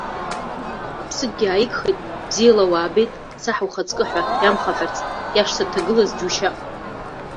Аԥсыкгьы ааигхеит бзиала уаабеит, саҳ ухаҵкы ҳәа иамхаҳәарц, иашҭа дҭагылаз џьушьап.